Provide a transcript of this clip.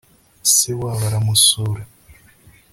se wabo aramusura